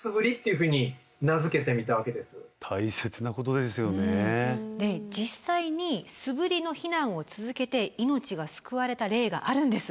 で実際に素振りの避難を続けて命が救われた例があるんです。